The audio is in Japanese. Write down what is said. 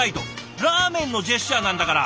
ラーメンのジェスチャーなんだから！